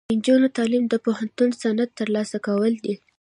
د نجونو تعلیم د پوهنتون سند ترلاسه کول دي.